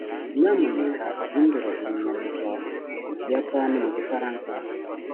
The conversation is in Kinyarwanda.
nyamuneka uhindure iyi nyandiko yikiyapani mugifaransa